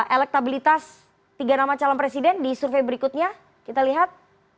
elektabilitas tiga nama calon presiden di survei berikutnya kita lihat